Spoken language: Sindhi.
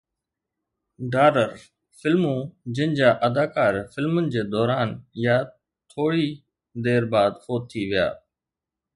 ڊارر فلمون جن جا اداڪار فلمن جي دوران يا ٿوري دير بعد فوت ٿي ويا